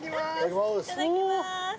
いただきます。